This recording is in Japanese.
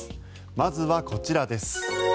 まずはこちらです。